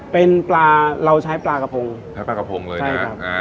เป็นปลาเราใช้ปลากระพงใช้ปลากระพงเลยนะครับอ่า